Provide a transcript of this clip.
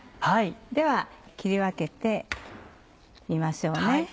では切り分けてみましょう。